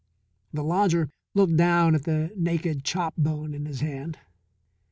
The lodger looked down at the naked chop bone in his hand.